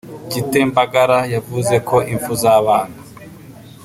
Gitembagara yavuze ko impfu z’abana